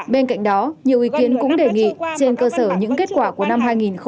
bên cạnh đó nhiều ý kiến cũng đề nghị trên cơ sở những kết quả của năm hai nghìn một mươi chín